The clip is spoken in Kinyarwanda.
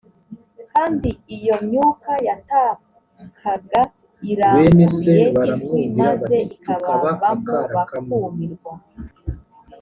kandi iyo myuka yatakaga iranguruye ijwi maze ikabavamo bakumirwa